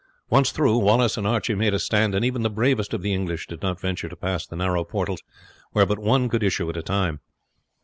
Once through, Wallace and Archie made a stand, and even the bravest of the English did not venture to pass the narrow portals, where but one could issue at a time.